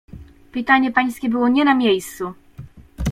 "Pytanie pańskie było nie na miejscu."